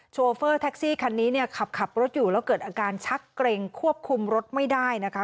โฟเฟอร์แท็กซี่คันนี้เนี่ยขับรถอยู่แล้วเกิดอาการชักเกร็งควบคุมรถไม่ได้นะคะ